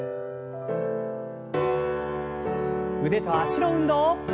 腕と脚の運動。